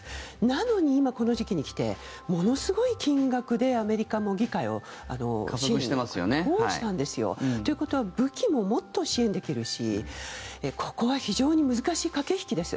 なのに今、この時期に来てものすごい金額でアメリカも議会を通したんですよ。ということは武器ももっと支援できるしここは非常に難しい駆け引きです。